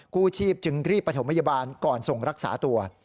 กู้ชีพจึงรีบประถมพยาบาลก่อนส่งรักษาตัว